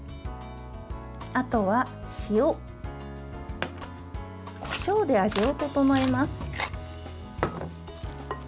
あとは塩、こしょうで味を調えます。